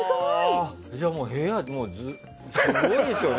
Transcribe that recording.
じゃあ、部屋すごいですよね！